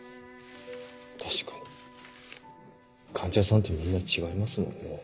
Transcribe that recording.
確かに患者さんってみんな違いますもんね。